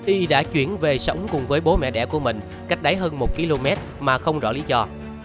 y đã chuyển về sống cùng với bố mẹ đẻ của mình cách đáy hơn một km mà không rõ lý do